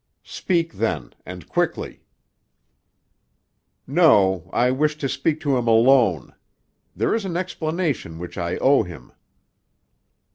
"Speak then, and quickly." "No; I wish to speak to him alone. There is an explanation which I owe him."